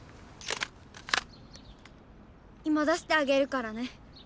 今出してあげるからね！